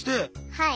はい。